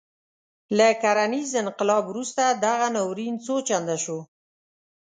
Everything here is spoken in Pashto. له کرنیز انقلاب وروسته دغه ناورین څو چنده شو.